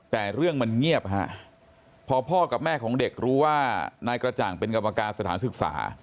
แต่เรื่องมันเงียบฮะพอพ่อกับแม่ของเด็กรู้ว่านายกระจ่างเป็นกรรมการสถานศึกษา